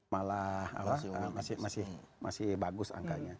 malah masih bagus angkanya